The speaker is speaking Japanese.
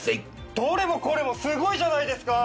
どれもこれもすごいじゃないですか。